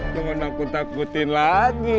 lu mau nangkut takutin lagi